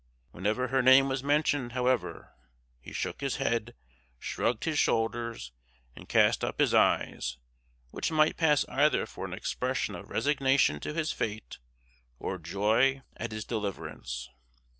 Whenever her name was mentioned, however, he shook his head, shrugged his shoulders, and cast up his eyes; which might pass either for an expression of resignation to his fate, or joy at his deliverance.